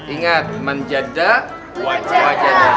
ingat menjadah menjadah